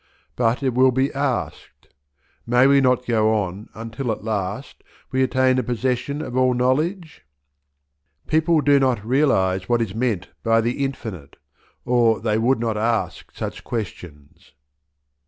But it will be asked, May we not go on until at last we attain the possession of all knowledge? People do not realize what is meant by "the infinite," or they would not ask such questions.